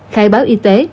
khai báo y tế